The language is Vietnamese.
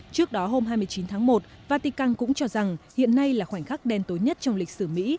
trước đó hôm hai mươi chín tháng một vatican cũng cho rằng hiện nay là khoảnh khắc đen tối nhất trong lịch sử mỹ